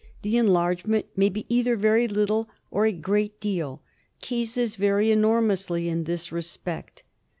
The enlargement may be either very little or a great deal ; cases vary enormously in this respect.